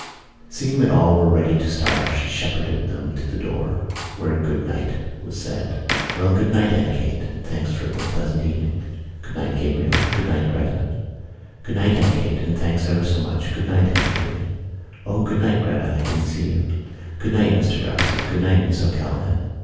Seeing that all were ready to start she shepherded them to the door, where good night was said: "Well, good night, Aunt Kate, and thanks for the pleasant evening." "Good night, Gabriel. Good night, Gretta!" "Good night, Aunt Kate, and thanks ever so much. Good night, Aunt Julia." "O, good night, Gretta, I didn't see you." "Good night, Mr D'Arcy. Good night, Miss O'Callaghan."